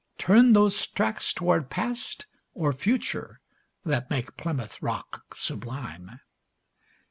Turn those tracks toward Past or Future, that make Plymouth Rock sublime?